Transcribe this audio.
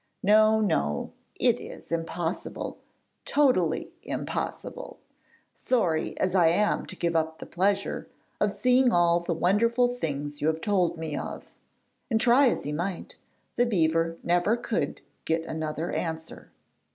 No, no! it is impossible totally impossible sorry as I am to give up the pleasure of seeing all the wonderful things you have told me of.' And try as he might, the beaver never could get another answer.